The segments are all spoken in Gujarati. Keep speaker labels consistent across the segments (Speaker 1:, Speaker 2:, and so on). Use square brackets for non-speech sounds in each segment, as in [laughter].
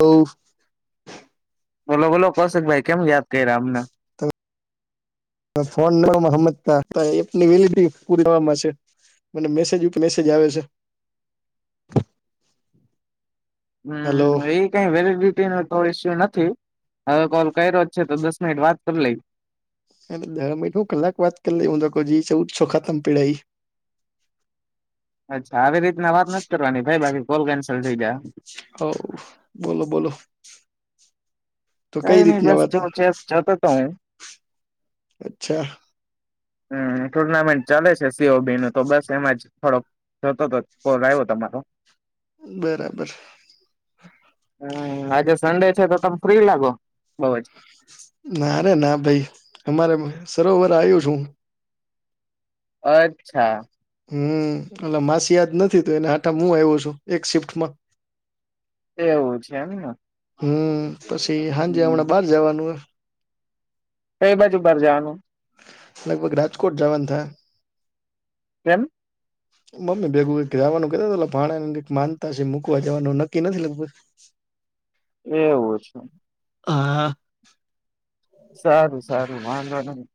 Speaker 1: તો
Speaker 2: બોલો, બોલો કશક ભાઈ કેમ યાદ, કર્યા અમને
Speaker 1: ફોનવામા સમજતા, એનીલ પરી છે. મ મેસેજ ઉપ, મેસેજ આવે છે.
Speaker 2: હમ,
Speaker 1: હલો
Speaker 2: એ કઈ વેલે ન તો ઇસ્યુ નથી, હવે કોલ કર્યો છે. તો દસ મિનિટ વાત કરી લઈ
Speaker 1: એ દ મિ હુ કલાક વાત કરી લે હું ચૌ સોખાતમ પીડાાઈ
Speaker 2: અચ્છા આવી રીતના વાત નથી, કરવાની ભાઈ બાકી કોલ કેન્સલ થઈ જાય.
Speaker 1: હ બોલો બોલો તો
Speaker 2: કઈ, નઈ
Speaker 1: રીતના
Speaker 2: બસ
Speaker 1: વાત
Speaker 2: જો ચ જતો હતો, હુ
Speaker 1: અચ્છા
Speaker 2: હમ, ટુર્નામેન્ટ ચાલે છે, સીઓ બી નું તો બસ એમાં જ થોડોક જતો હતોલ, આવ્યો તમારો
Speaker 1: બરાબર
Speaker 2: હમ, આજે સન્ડે છે. તો તમે ફ્રી લાગો બઉ જ
Speaker 1: ના ર ના ભાઈ, અમારે સરોવર આવ્યું છુ.
Speaker 2: અચ્છા
Speaker 1: હમ, એટલે માસી યાદ નથી તું એને આ હું આવ્યો છુ, એક શિફ્ટમા
Speaker 2: એવું છે, એમનુ
Speaker 1: હમ, પછી હાજ, હમણાં બહાર જવાનું હો
Speaker 2: કઈ બાજુ, બર જવાનુ
Speaker 1: લગભગ રાજકોટ જવાનું થાય
Speaker 2: કેમ
Speaker 1: મમ્મી ભેગું એક દિ આવાનું કે તા તા ભાણા ને માનતા છે મુકવા જવાનું નકિ નથી લગભગ [unintelligible]
Speaker 2: એવું છે
Speaker 1: હા
Speaker 2: સારું સારું વાંધો નહીં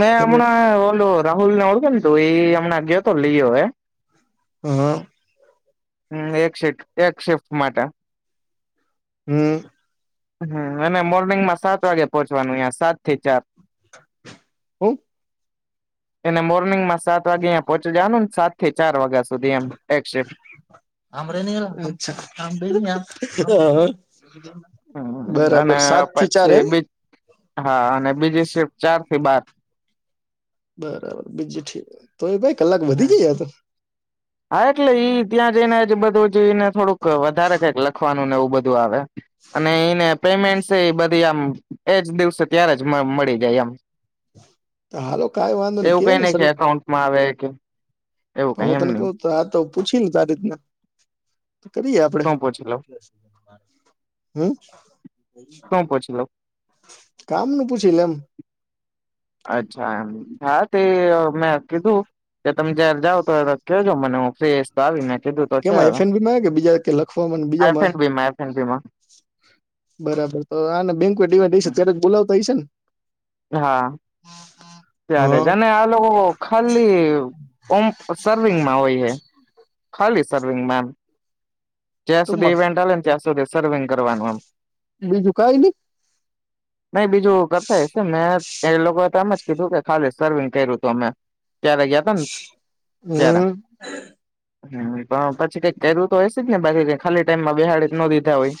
Speaker 2: મે
Speaker 1: તમે
Speaker 2: હમણાં ઓલો રાહુલ ઓળું કેમ તોું એઈ એમને આગે તો લઈ હવે
Speaker 1: હમ
Speaker 2: હમ એક શિફ એક શિફ્ટ માટે
Speaker 1: હમ
Speaker 2: હ અને મોર્નિંગમાં સાત વાગે પોહોંચવાનું અહીં યા સાત થી ચાર
Speaker 1: હમ
Speaker 2: એને મોર્નિંગ માં સાત વાગે અંહી પહોચી જવાનુંને સાત થી ચાર વાગ્યા સુધી એમ એક શિફ્ટ
Speaker 1: આમરેને યાર આ
Speaker 2: હમ અને
Speaker 1: બરાબર સાત થી ચાર
Speaker 2: પછી
Speaker 1: એમ
Speaker 2: બી હા અને બીજી શિફ્ટ ચાર થી બાર
Speaker 1: બરાબર બીજું ઠીક તો એ ભાઈ કલાક
Speaker 2: હમ
Speaker 1: વધી જયા તો
Speaker 2: હા એટલે ઈ ત્યાં જઈનેજ બધું જને થોડુંક વધારે કંઈક લખવાનું ને બધું આવે અને એને પેમેન્ટ બધી આમ એજ દિવસે ત્યારે જ મ મળી જાય એમ
Speaker 1: તા હાલો કઈ વાંધો ને
Speaker 2: એવું કઈ
Speaker 1: ને
Speaker 2: નહી
Speaker 1: સર
Speaker 2: કે એકાઉન્ટમાં આવે કે એવું કઈ
Speaker 1: હું
Speaker 2: એમ
Speaker 1: તને
Speaker 2: નહી
Speaker 1: કહું તો આ તો પૂછી તારી રીતના કરીયે આપડે
Speaker 2: શું પૂછી લઉં
Speaker 1: હમ
Speaker 2: શું પૂછી લઉં
Speaker 1: કામ નુ પૂછી લે એમ
Speaker 2: અચ્છા એમ હા તે મેં કીધું કે તમે જયારે જાવ તો કેજો મને હું ફ્રિઈ હઈ તો આવી ને કીધું તો છે
Speaker 1: કેમાં એફ એન બી માં કે બીજા કે લખવામાં ને
Speaker 2: અ
Speaker 1: બીજામાં
Speaker 2: એસીબીમાં એસીબીમાં
Speaker 1: બરાબર તો આને બેંક દેવા છે ત્યારે બોલાવતા હસે ને
Speaker 2: હા ત્યારે
Speaker 1: હા
Speaker 2: જ અને આ લોકો ખાલી ઓમ સર્વિંગમાં હોય છે હખલી સર્વિંગ મેમ ચેસ સુધી
Speaker 1: ટૂંકમાં
Speaker 2: ઇવેન્ટ હાલે ને ત્યાં સુધી સર્વિંગ કરવાનું આમ
Speaker 1: બીજુ કાય નહીં
Speaker 2: નહી બીજું કરતા હશે મે ત્યારે લોકોએ તમે જ કીધું કે ખાલી સર્વિંગ કર્યું હતું અમે ત્યારે ગયા હતા ને ત્યારે
Speaker 1: હમ
Speaker 2: હમ પણ પછી કઈક કર્યુ તો હશે જ ને બાકી ખાલી ટાઈમમાં બેહાડી તો ન દીધા હોય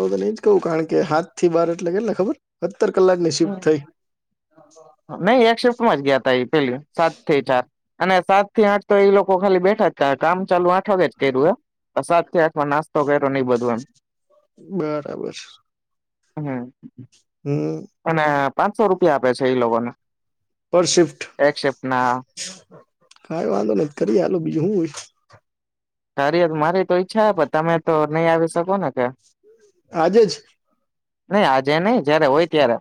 Speaker 1: હું તો નહી જ કહું કારણ કે સાત થી બાર એટલે કેટલા ખબર સતર કલાક ની શિફ્ટ થઈ
Speaker 2: નહી એક શિફ્ટમાં જ ગયાતા એ પેલી સાત થી ચાર અને સાત થી આઠ તો એ લોકો ખાલી બેઠા જ કામ ચાલુ આઠ વાગે જ કર્યું હૅ સાત થી આઠ માં નાસ્તો કર
Speaker 1: બરાબર
Speaker 2: હમ
Speaker 1: હમ
Speaker 2: અને પાંચસો રૂપિયા આપે છે એ લોકોને
Speaker 1: પર શિફ્ટ
Speaker 2: એક શિફ્ટ ના
Speaker 1: કઈ વાંધો નહીં કરી આલો બીજું શું હોય તો
Speaker 2: તારી મારી તો ઈચ્છા હે પણ તમે તો નહી આવી શકો ને કે
Speaker 1: આજે જ
Speaker 2: નહી આજે નહી જયારે હોય ત્યારે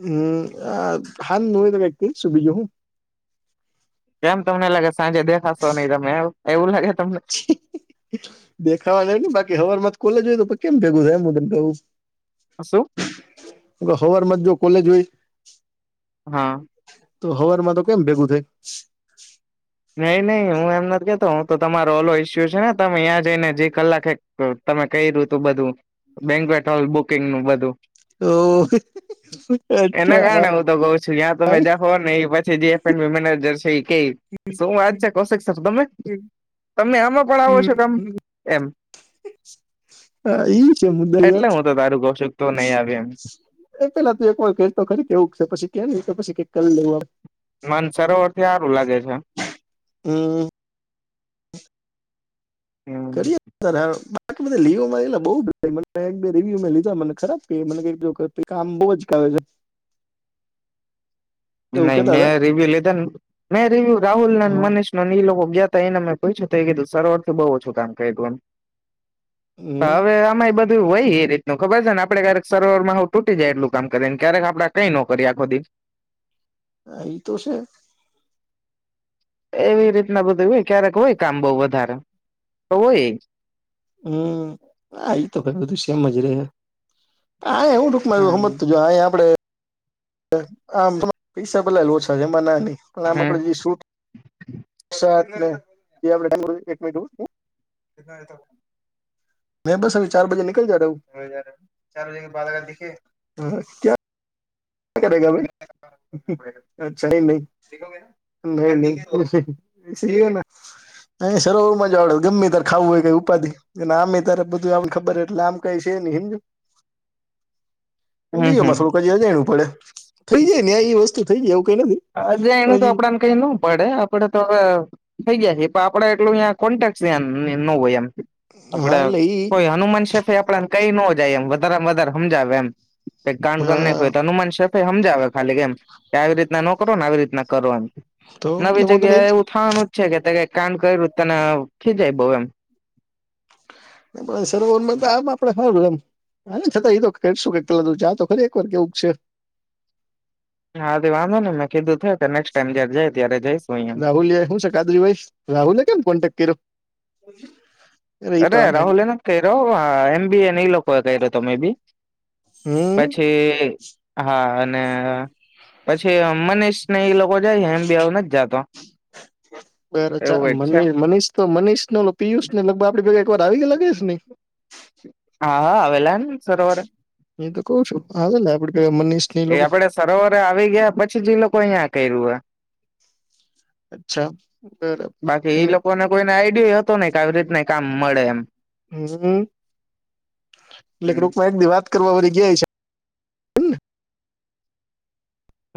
Speaker 1: હુમ હ સાંજ હોય કાઇક પૂછયુ બીજું હું
Speaker 2: કેમ તમને લાગે સાંજે દેખાશો નહી તમે એવું લાગે તમને
Speaker 1: છી દેખાવાને ને બાકી સવાર માં કોલેજ હોય તો કેમ ભેગું થાય મુદત હુ
Speaker 2: શું
Speaker 1: સવાર માં જોઉ કોલેજ હોય
Speaker 2: હા
Speaker 1: તો સવારમાં તો કેમ ભેગું થાય,
Speaker 2: નહી નહી હું એમ નથી કેતો હું તો તમારો ઓલો ઈસ્યુ છે ને તમે ત્યાં જઈને જે કલાકે તમે કર્યું તું બધું બેંકવેટ હોલ બુકિંગ નું બધું
Speaker 1: ઓ
Speaker 2: એના કારણે હું તો કહુ છું ત્યાં તમે જાઓ ને એ પછી મેનેજર [inaudible] શું વાત છે કૌશિક તમે
Speaker 1: હા
Speaker 2: તમને આમાં પણ આવો છો કામ એમ
Speaker 1: હા એ છે મુદ્દા
Speaker 2: એટલે
Speaker 1: વાત
Speaker 2: હું તો તારું કઉ છું તું નહી આવી એમ
Speaker 1: એ પેલા તે એક વાર કહેં તો ખરી કેવું છે પછી કે નૅ પછી ઍકલ દે
Speaker 2: મન સરોવર થી સારું લાગે છે.
Speaker 1: હમ
Speaker 2: હમ
Speaker 1: કરીએ તો લીવોમાં બ બે ર્યુ મે લીધા મને ખરાબ મ કામ બહુ જાવ છે. [inaudible]
Speaker 2: નહી
Speaker 1: એવું કેતા હતા
Speaker 2: મેં રિવ્યુ લીધા ને મેં રિવ્યુ રાહુલ ના
Speaker 1: હા
Speaker 2: મનીષ ન ઈ લોકો ગયા એને મેં પૂછ્યું તૅ કીધું સરવરથી બહુ ઓછું કામ કર્યું એમ
Speaker 1: હમ
Speaker 2: હવે આમાં બધું હોઈ એ રીતનું ખબર છે ને આપણે ક્યારેક સરોવર માં હું તૂટી જાય એટલું કામ કરીએ ને ક્યારેક આપણે કઈ નો કરીએ આખો દી
Speaker 1: એ તો છે
Speaker 2: એવી રીતના બધું હોય ક્યારેક હોય કામ બહુ વધારે તો હોય
Speaker 1: હુમ એ તો ભ બધું શેમ જ રેહ આ એું ટુંકમાં એ હમત
Speaker 2: હમ
Speaker 1: જો અહી આપે આમ પૈસા પલા ઓછા છેમના નય આમ
Speaker 2: હમ
Speaker 1: આપડે જે શૂટસાકને [inaudible] મે બસ અ ચાર બજે નિકલ જાતા હું ચારજગ દખે ક્યા કરે અછા નહીી ન નહી સ હો ના અ સરોવરમાં જ આવડે ગમે ત્યારે ખાવું હોય કઈ ઉપાધિ અને આમે તારે બધું એમ ખબર એટલે આમ કઈ છે ને હિન્દ
Speaker 2: હમ હમ
Speaker 1: લિમાં થોડુંક હ જ અજાણું પડે થઈ જાય ને આ એ વસ્તુ થઈ જાય એ
Speaker 2: હજ એનું તો આપડને કઈ ન પડે આપડે તો હવે થઈ ગયા છે. આપડે એટલું કોન્ટેક્ટસ ન હોય એમ
Speaker 1: હા
Speaker 2: આપડે
Speaker 1: એટલે ઈ
Speaker 2: કોઈ હનુમાન શેફ આપડા કઈ ન જાય એમ વધારે માં વધારે હમજાવે એમ
Speaker 1: હા
Speaker 2: કય તો હનુમાન શફે સમજાવે ખાલી કેમ કે આવી રીતના ન કરો ને આવી રીતના કરો એમ.
Speaker 1: તો એટલે
Speaker 2: નવી
Speaker 1: હું તો નહી
Speaker 2: જગ્યા એવું થવાનું જ છે કે ક કાન કર્યું તને ખી જાય બઉ એમ
Speaker 1: પણ સરોવરમાં તો આમ આપડે ખારું એમ હા છતાં એ તો કે શું કેટલાધું ચા તો ખરી એક વાર કેવું છે
Speaker 2: હા તે વાંધો ને મેં કીધું થયો
Speaker 1: રાહુલયા શું છે કાદરી ભાઈ રાહુલે કેમ કોન્ટેક કર્યો? [inaudible]
Speaker 2: અરે રાહુલે
Speaker 1: આપડે
Speaker 2: એ ના કહી રહ્યો એમ બી એ નહી લોકો એ કહી રહ્યો તો મેબી
Speaker 1: હમ
Speaker 2: પછી હા અને પછી મને ને એ લોકો જાય હું નથી જતો
Speaker 1: બા મ મનીષ તો મનીષ ન પિયુષ ને લગભગ આપે બગા [inaudible] [unintelligible] ઘરા આવી ગલા કેશને [unintelligible]
Speaker 2: હા હા આવેલાને સરોવર
Speaker 1: એ તો કઉ છું હા લ આપડી
Speaker 2: એ આપડે સરોવરે આવી ગયા પછી જ એ લોકો અહયા કર્યું હો
Speaker 1: અચ્છા બરાબર
Speaker 2: બાકી એઈ
Speaker 1: અને
Speaker 2: લોકોને કોઈને આઈડિયા હતો નઈ કે આવી રીતના કામ મળે એમ
Speaker 1: હમ એતલે
Speaker 2: હમ
Speaker 1: ગ્રુપ માં એક ડી વાત જે છે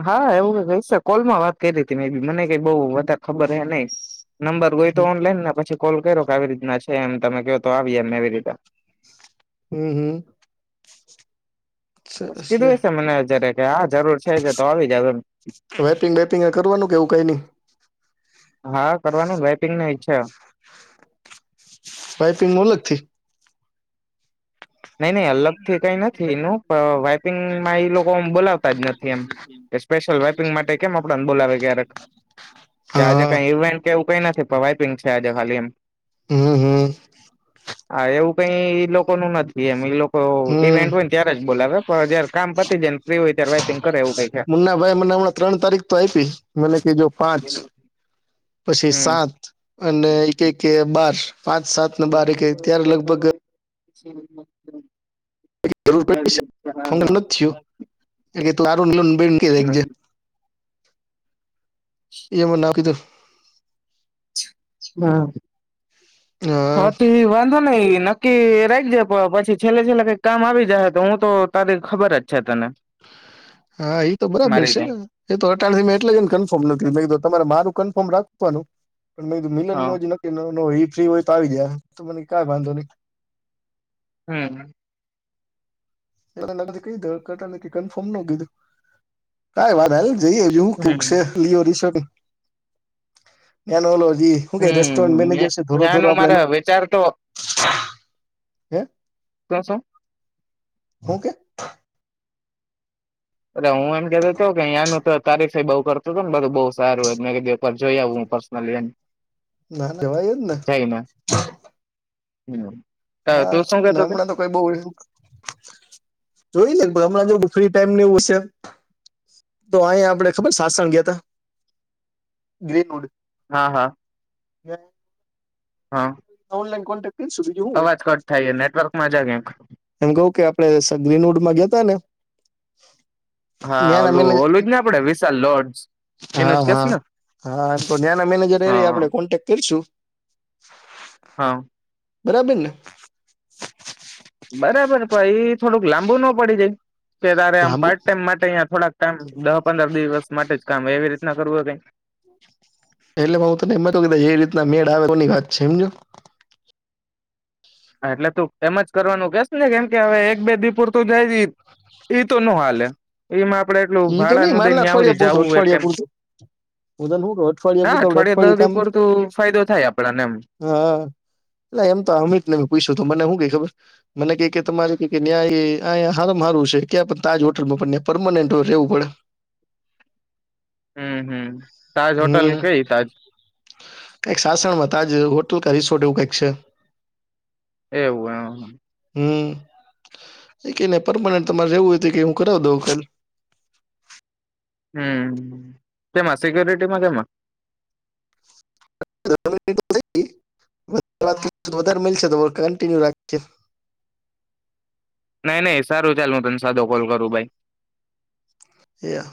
Speaker 2: હા એવું ક કોલમાં વાત કરી હતી મેં પણ મને કઈ બઉ વધા ખબર હ નહી નંબર હોય તો ઓનલાઈન ને પછી કોલ કર્યો કે આવી રીતના છે એમ તમે કહો તો આવી એમ એવી રીતે
Speaker 1: હમ હમ સરસ લે
Speaker 2: કીધું હશે મને જારે હા જરૂર છે તો આવી જાવ
Speaker 1: વેપિંગ વેપિંગ કરવાનું કે એવું કઈ ન
Speaker 2: હા કરવાનું વેપિંગ ન ઈચ્છા
Speaker 1: વાઈપિંગ ન અલગ થી
Speaker 2: નઈ નહી અલગથી કઈ નથી એનું પણ વાઈપિંગમાં એ લોકો બોલાવતા જ નથી એમ સ્પેશયલ વપિંગ માટે કેમ આપ બોલાવે ક્યારેક કે આજે
Speaker 1: હા
Speaker 2: કઈ ઇવેન્ટ કે નથી વાઈપિંગ છે આજે ખાલી એમ
Speaker 1: હમ હમ
Speaker 2: હા એવું કઈ ઈ લોકો નું નથી એમ ઈ લોકો તો
Speaker 1: હમ
Speaker 2: ઇવેન્ટ હોય ને ત્યારે જ બોલાવે પણ જયારે કામ પતી જાય ને ફ્રી હોય ત્યારે વાઈપિંગ કરે એવું કઈ છે
Speaker 1: મુન્નાભાઈ મને હમણાં ત્રણ તારીખ તો આપી મ કે જો પાંચ પછી
Speaker 2: હમ
Speaker 1: સાત અને એક એક બાર પાંચ સાત ને બાર એ કે ત્યારે લગભગ
Speaker 2: હ
Speaker 1: ર થ એ તું [inaudible] ન કેજ [unintelligible] એમાં ના કીધું
Speaker 2: હા
Speaker 1: હા
Speaker 2: હ તે વાંધો નહી નક્કી રાખ જે પણ પછી છેલ્લે છેલ્લે કઈક કામ આવી જાય તો હું તો તારી ખબર જ છે તને
Speaker 1: [unintelligible] હા એ તો બરાબર
Speaker 2: મારી
Speaker 1: છે
Speaker 2: કઈ
Speaker 1: એ તો અટાણે મે એટલે જ એને કન્ફર્મ નથી કીધું તમારે મારું રાખવાનુ મે કીધું
Speaker 2: હ
Speaker 1: મીનન નુ હજી નક્કી નહોતું ફ્રી હોય તો આવી જાય તો મને કાઈ વાંધો નહી
Speaker 2: હમ
Speaker 1: ક કફર્મ ન કીધું કઈ વાત હે [inaudible] જઈ હજુ હું કૂક
Speaker 2: હમ
Speaker 1: લિ રસ ઓલો [inaudible] શું કઈ રેસ્ટોરન્ટ
Speaker 2: હમ
Speaker 1: મેનેજર છે ધોળો ધોળો
Speaker 2: એનું
Speaker 1: આપડે
Speaker 2: મારા વિચાર તો
Speaker 1: હે
Speaker 2: શું શું
Speaker 1: ઓકે
Speaker 2: અને હું એમ કહેતો તો અયાનો તો તારી સાહેબ આવુ કરતો તો બધું બવ સારું હોત મેં કીધું એકવાર જોઈતું હોત પર્સનલી એમ
Speaker 1: ના જવાય જ ને
Speaker 2: હમ
Speaker 1: હા અને હમણાં તો કઈ બઉ જોઈ લે હમણાં જો ફ્રી ટાઈમ એવું છે તો અહી આપડે ખબર શાસણ ગયા હતા ગ્રીનવુડ
Speaker 2: હા હા
Speaker 1: [unintelligible]
Speaker 2: હા
Speaker 1: સુધીવું હોય,
Speaker 2: અવાજ કટ થાય નેટવર્કમાં જા ક્યાંક
Speaker 1: એમ કવ કે આપડે ગ્રીનવુડમાં ગયાતા ને. [inaudible]
Speaker 2: હા
Speaker 1: ન્યાના
Speaker 2: ઓલું
Speaker 1: મેનેજર
Speaker 2: ઓલું જ ને આપડે વિશાલ લોડસ, એનું
Speaker 1: હા
Speaker 2: જ કેશ
Speaker 1: હા
Speaker 2: ને.
Speaker 1: હા તો ત્યાંના મેનેજર એ રે
Speaker 2: હા
Speaker 1: આપડે કોન્ટેક્ટ કરશું.
Speaker 2: હા.
Speaker 1: બરાબરને.
Speaker 2: બરાબર પણ ઈ થોડુંક લાંબુ ન પડી જાય? કે તારે આમ
Speaker 1: લાંબુ
Speaker 2: પાર્ટ ટાઈમ માટે અહિયાં થોડાક ટાઈમ દસ પંદર દિવસ માટે જ કામ એવી રીતે નગરવવે કંઈ.
Speaker 1: એટલે હું તને એમ હતું એ રીતના મેળ આવે તો ની વાત છે હમજો.
Speaker 2: હા એટલે તું એમજ કરવાનું કેસ ને કેમ કે હવે એક બે દી પૂરતું જાયદીપ. ઈ તો ન હાલે, એમાં આપડે એટલું
Speaker 1: ઈ તો
Speaker 2: ભાડા
Speaker 1: નઈ
Speaker 2: નુ દયં
Speaker 1: માનલા
Speaker 2: ન્યા
Speaker 1: અઠવાડિયા
Speaker 2: સુધી
Speaker 1: પૂરતું
Speaker 2: જાવુ ને
Speaker 1: અઠવાડિયા
Speaker 2: કેમ.
Speaker 1: પૂરતું હું તને હું કઉ અઠવાડિયા
Speaker 2: ના
Speaker 1: પૂરતું આપડે
Speaker 2: અઠવાડિયા
Speaker 1: અઠવાડિયું
Speaker 2: દસ
Speaker 1: કામ
Speaker 2: દી પુરતુ ફાયદો થાય આપડને એમ.
Speaker 1: અલા એમ તો અમિત પૂછ્યું તું મને હું ક ઈ ખબર, મને ક ઈ તમારે ન્યાય હારામા હારું છે. હોટલમાં પણ પરમનન્ટ રેવું પડે.
Speaker 2: હમ હમ. તાજ હોટલ
Speaker 1: હમ,
Speaker 2: કઈ તાજ
Speaker 1: કાંઈક શાસણમાં તાજ તુલ કાં રિસોર્ટ કે એવું કંઈક છે.
Speaker 2: એવું એમ હ.
Speaker 1: હમ કે ન પરમાનન્ટ તમારે રહેવું હોય કે હું કરાઈ દઉં કાલ.
Speaker 2: હમ કેમાં સિક્યુરિટીમાં કેમાં?
Speaker 1: [unintelligible] વધારે મલશે તો કન્ટિન્યુ રાખયે.
Speaker 2: નહી નહી સારું ચાલ હું તને સાદો કોલ કરું ભાઈ.
Speaker 1: યા.